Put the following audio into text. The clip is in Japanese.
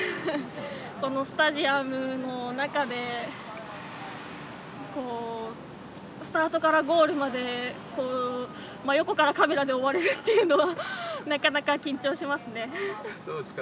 このスタジアムの中でスタートからゴールまで真横からカメラで追われるというのはなかなか緊張しますね。